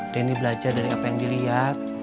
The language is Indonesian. denny belajar dari apa yang dilihat